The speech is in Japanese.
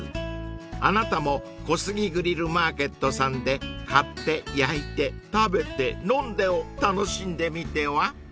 ［あなたもコスギグリルマーケットさんで買って焼いて食べて飲んでを楽しんでみては］